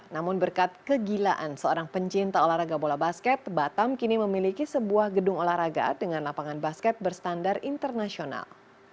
namun berkat kegilaan seorang pencinta olahraga bola basket batam kini memiliki sebuah gedung olahraga dengan lapangan basket berstandar internasional